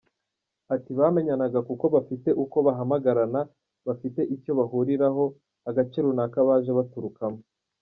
Ati “Bamenyanaga kuko bafite uko bahamagarana bafite icyo bahuriraho, agace runaka baje baturukamo.